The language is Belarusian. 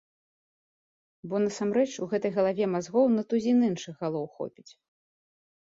Бо насамрэч у гэтай галаве мазгоў на тузін іншых галоў хопіць.